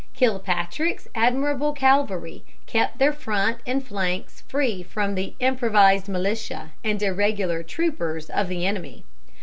Kilpatrick's admirable cavalry kept their front and flanks free from the improvised militia and irregular troopers of the enemy.